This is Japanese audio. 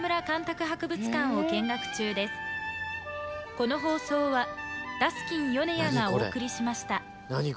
「この放送はダスキンよねやがお送りしました」